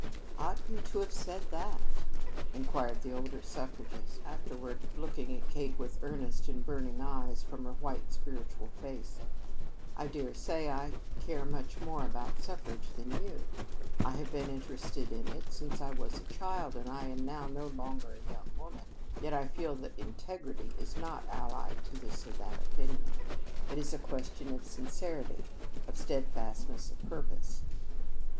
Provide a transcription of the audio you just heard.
"Ought you to have said that?" inquired the older suffragist, afterward looking at Kate with earnest and burning eyes from her white spiritual face. "I dare say I care much more about suffrage than you. I have been interested in it since I was a child, and I am now no longer a young woman. Yet I feel that integrity is not allied to this or that opinion. It is a question of sincerity of steadfastness of purpose."